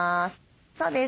そうです。